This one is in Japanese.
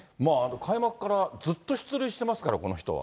開幕からずっと出塁してますから、この人は。